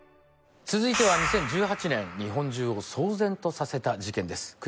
続いては２０１８年日本中を騒然とさせた事件です